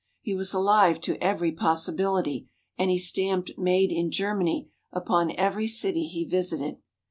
He was alive to every possibility, and he stamped "Made in Germany" upon every city he visited.